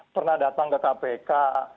pernah datang ke kpk